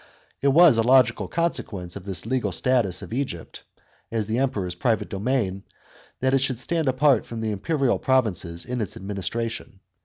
It was a logical consequence of this legal status of Egypt, as the Emperor's private domain, that it should stand apart from the imperial provinces in its administration.